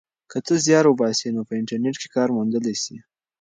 که ته زیار وباسې نو په انټرنیټ کې کار موندلی سې.